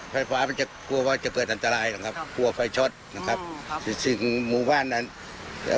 ไฟฟ้ามันจะกลัวว่าจะเกิดอันตรายหรอกครับกลัวไฟช็อตนะครับแต่สิ่งหมู่บ้านนั้นเอ่อ